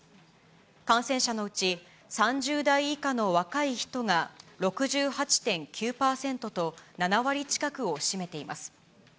感染者のうち３０代以下の若い人が６８．９％と、７割近くを占めています。